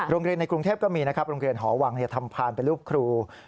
ในกรุงเทพก็มีนะครับโรงเรียนหอวังทำพานเป็นลูกครู